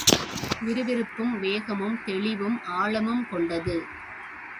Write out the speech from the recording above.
விறுவிறுப்பும், வேகமும், தெளிவும், ஆழமும் கொண்டது.